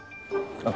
あっ！